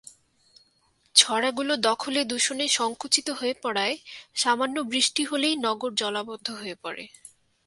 ছড়াগুলো দখলে-দূষণে সংকুচিত হয়ে পড়ায় সামান্য বৃষ্টি হলেই নগর জলাবদ্ধ হয়ে পড়ে।